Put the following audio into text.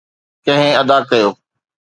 ڪنهن ادا ڪيو؟